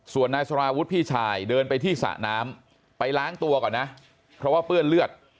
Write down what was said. ส่วนนายสาราวุฒิพี่ชายเดินไปที่สระน้ำไปล้างตัวก่อนนะเพราะว่าเปื้อนเลือด